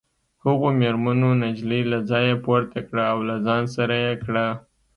هغو مېرمنو نجلۍ له ځایه پورته کړه او له ځان سره یې کړه